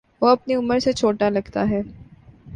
وہ اپنی عمر سے چھوٹا لگتا ہے